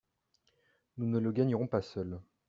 Nous ne le gagnerons pas seuls.